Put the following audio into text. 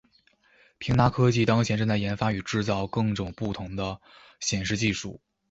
平达科技当前正在研发与制造更种不同的显示技术。